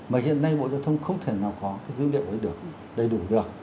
mà hiện nay bộ giao thông không thể nào có cái dữ liệu ấy được đầy đủ được